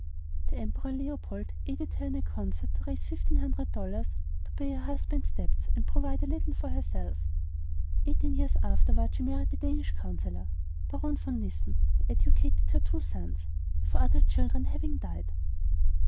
The Emperor Leopold aided her in a concert to raise fifteen hundred dollars to pay her husband's debts, and provide a little for herself. Eighteen years afterward she married the Danish councillor, Baron von Missen, who educated her two sons, four other children having died.